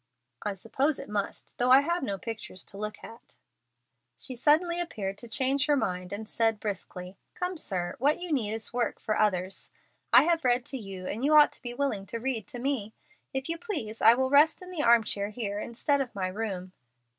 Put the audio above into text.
"I suppose it must, though I have no pictures to look at." She suddenly appeared to change her mind, and said, briskly, "Come, sir, what you need is work for others. I have read to you, and you ought to be willing to read to me. If you please, I will rest in the arm chair here instead of in my room."